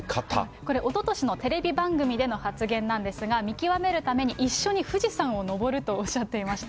これ、おととしのテレビ番組での発言なんですが、見極めるために一緒に富士山を登るとおっしゃっていました。